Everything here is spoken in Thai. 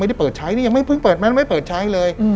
ไม่ได้เปิดใช้นี่ยังไม่เพิ่งเปิดมันไม่เปิดใช้เลย